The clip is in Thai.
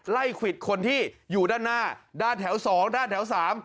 ควิดคนที่อยู่ด้านหน้าด้านแถว๒ด้านแถว๓